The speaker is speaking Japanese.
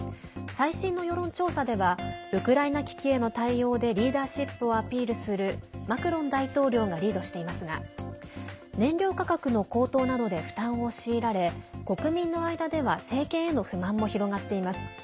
最新の世論調査ではウクライナ危機への対応でリーダーシップをアピールするマクロン大統領がリードしていますが燃料価格の高騰などで負担を強いられ国民の間では政権への不満も広がっています。